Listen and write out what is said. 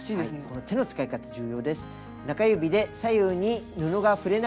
この手の使い方重要です。